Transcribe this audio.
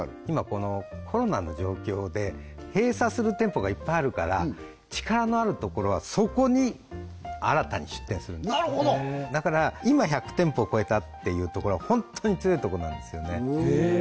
今このコロナの状況で閉鎖する店舗がいっぱいあるから力のあるところはそこに新たに出店するんですなるほどだから今１００店舗を超えたっていうところは本当に強いところなんですよね